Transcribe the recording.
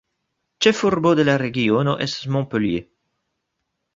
Ĉefurbo de la regiono estas Montpellier.